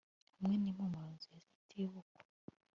hamwe n'impumuro nziza itibukwa